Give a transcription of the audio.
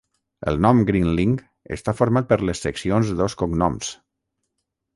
El nom Grinling està format per les seccions de dos cognoms.